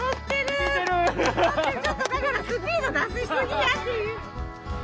ちょっとだからスピード出しすぎやって！